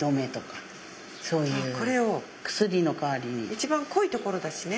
一番濃いところだしね。